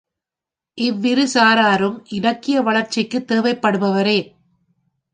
இவ்விருசாராரும் இலக்கிய வளர்ச்சிக்குத் தேவைப்படுபவரே.